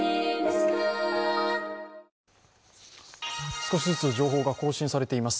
少しずつ情報が更新されています。